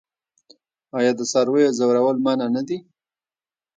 آیا د څارویو ځورول منع نه دي؟